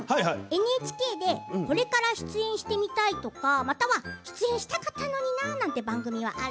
ＮＨＫでこれから出演してみたいとかまたは出演したかったのになという番組はある？